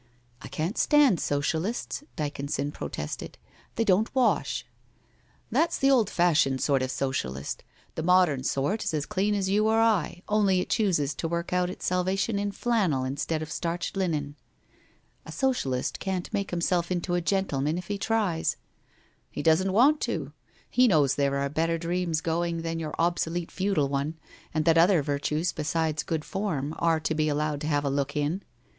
' I can't stand Socialists,' Dyconson protested. ' They don't wash.' ' That's the old fashioned sort of Socialist, the modern sort is as clean as you or I, only it chooses to work out its salvation in flannel, instead of starched linen.' ' A Socialist can't make himself into a gentleman if he tries/ ' He doesn't want to. He knows there are better dreams going than your obsolete feudal one, and that other virtues besides good form are to be allowed to have a look in.'